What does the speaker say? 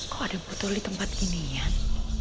kok ada botol di tempat ginian